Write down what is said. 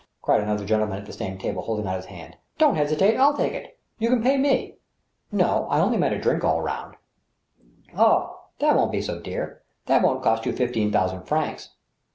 " cried another gentleman at the same table, holding out his hand. " Don't hesitate ; I'll take it. You can pay me." " No ; I only meant a drink all round." " Ah, that wouldn't be so dear. That wouldn't cost you fifteen thousand francs."